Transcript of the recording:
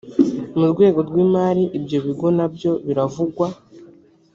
murwego rw imari ibyo bigo na byo biravugwa